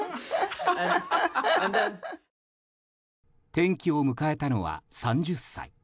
転機を迎えたのは３０歳。